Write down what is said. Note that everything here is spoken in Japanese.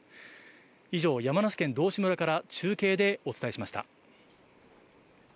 以上、山梨県道志村から中継でお伝えしました。